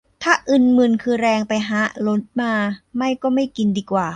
ถ้าอึนมึนคือแรงไปฮะ ลดมา ไม่ก็ไม่กินดีกว่า